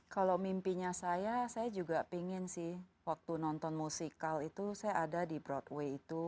kalau mimpinya saya saya juga pingin sih waktu nonton musikal itu saya ada di broadway itu